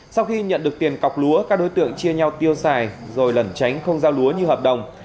sau khi nhận được tiền cọc lúa các đối tượng chia nhau tiêu xài rồi lẩn tránh không giao lúa như hợp đồng